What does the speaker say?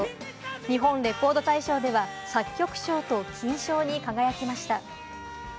日本レコード大賞では作曲賞と金賞に輝きました。